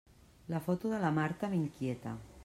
La foto de la Marta m'inquieta.